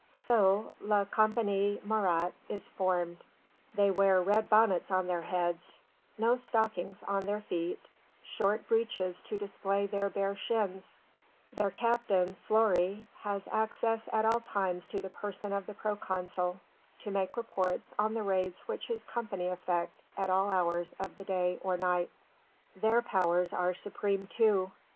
So la Compagnie Marat is formed they wear red bonnets on their heads no stockings on their feet short breeches to display their bare shins: their captain, Fleury, has access at all times to the person of the proconsul, to make report on the raids which his company effect at all hours of the day or night. Their powers are supreme too.